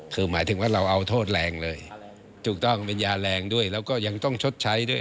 คือหมายถึงว่าเราเอาโทษแรงเลยถูกต้องเป็นยาแรงด้วยแล้วก็ยังต้องชดใช้ด้วย